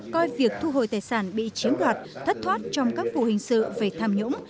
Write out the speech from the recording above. coi việc thu hồi tài sản bị chiếm đoạt thất thoát trong các vụ hình sự về tham nhũng